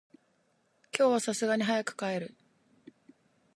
今日は流石に早く帰る。